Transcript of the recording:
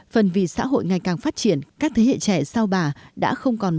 phần vì xã hội ngày càng phát triển các thế hệ trẻ sau bà đã không còn